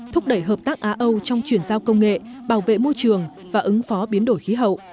thúc đẩy hợp tác á âu trong chuyển giao công nghệ bảo vệ môi trường và ứng phó biến đổi khí hậu